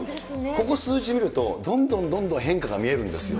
ここ、数字見ると、どんどんどんどん変化が見えるんですよ。